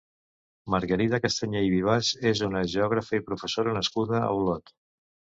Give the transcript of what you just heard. Margarida Castañer i Vivas és una geògrafa i professora nascuda a Olot.